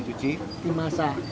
dicuci agar tidak bau